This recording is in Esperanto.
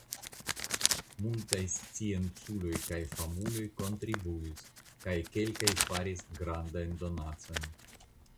Multaj scienculoj kaj famuloj kontribuis kaj kelkaj faris grandajn donacojn.